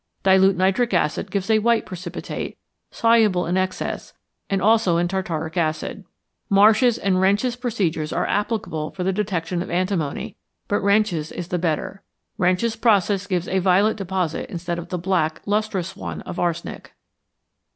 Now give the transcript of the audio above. Dilute nitric acid gives a white precipitate, soluble in excess, and also in tartaric acid. Marsh's and Reinsch's processes are applicable for the detection of antimony, but Reinsch's is the better. Reinsch's process gives a violet deposit instead of the black, lustrous one of arsenic.